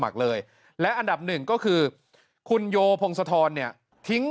กายุ่ง